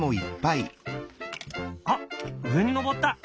あっ上に上った！